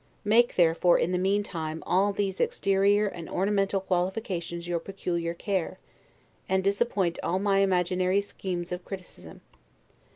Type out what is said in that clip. Make, therefore, in the meantime, all these exterior and ornamental qualifications your peculiar care, and disappoint all my imaginary schemes of criticism.